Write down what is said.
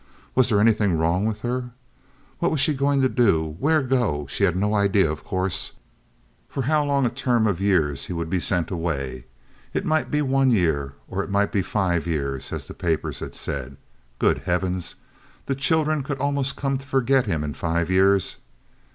Was there anything wrong with her? What was she going to do? Where go? She had no idea, of course, for how long a term of years he would be sent away. It might be one year or it might be five years, as the papers had said. Good heavens! The children could almost come to forget him in five years.